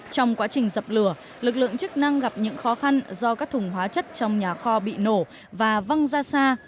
trong quá trình dập lửa lực lượng chức năng gặp những khó khăn do các thùng hóa chất trong nhà kho bị nổ và văng ra xa